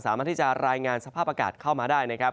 สามารถที่จะรายงานสภาพอากาศเข้ามาได้นะครับ